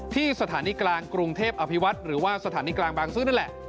ที่สถานีกลางกรุงเทพอภิวัฒน์หรือว่าสถานีกลางบางซื้อนั่นแหละ